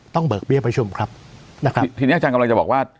เบิกเบี้ยประชุมครับนะครับทีนี้อาจารย์กำลังจะบอกว่า